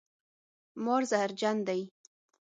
مار زهرجن دی